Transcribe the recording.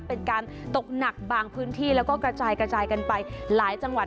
เป็นการตกหนักบางพื้นที่แล้วก็กระจายกระจายกันไปหลายจังหวัด